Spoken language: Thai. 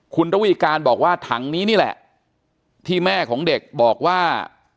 คุณระวีการบอกว่าถังนี้นี่แหละที่แม่ของเด็กบอกว่า